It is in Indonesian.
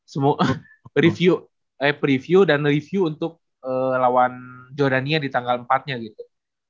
semua preview dan review untuk lawan jordania di tanggal empat nya gitu